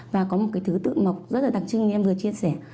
và có một cái thứ tự mọc rất là đặc trưng như em vừa chia sẻ